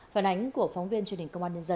phản ánh của phóng viên truyền hình công an nhân dân